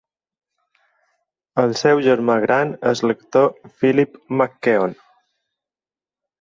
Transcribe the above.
El seu germà gran és l'actor Philip McKeon.